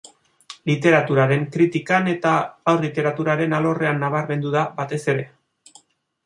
Literaturaren kritikan eta haur-literaturaren alorrean nabarmendu da, batez ere.